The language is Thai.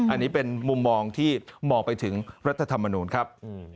อันนี้เป็นมุมมองที่มองไปถึงรัฐธรรมนูลครับ